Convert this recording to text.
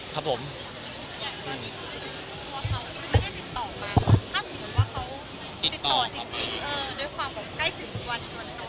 อย่างเท่าสัญญาสุดท้ายไม่ได้ติดต่อมาถ้าสมมุติว่าเขาติดต่อจริงโดยความของกล้ายบุคคลวันต่อ